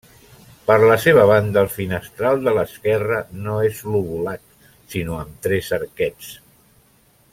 Per la seva banda el finestral de l'esquerra no és lobulat sinó amb tres arquets.